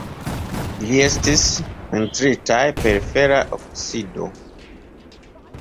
Ili estis pentritaj per fera oksido.